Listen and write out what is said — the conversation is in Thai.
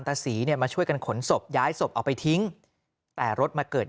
ตาศรีเนี่ยมาช่วยกันขนศพย้ายศพเอาไปทิ้งแต่รถมาเกิด